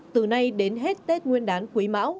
từ nay đến hết tết nguyên đán quý mão